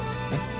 えっ？